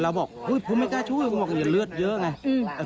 บอกผมไม่กล้าช่วยผมบอกอย่าเลือดเยอะไง